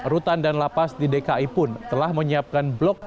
rutan dan lapas di dki pun telah menyiapkan blok